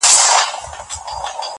له دې جهانه بېل وي.